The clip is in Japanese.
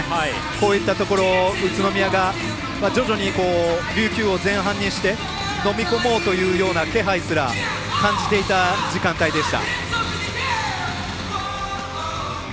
こういったところ、宇都宮が徐々に琉球を前半にしてのみ込もうというような気配すら感じていた時間帯でした。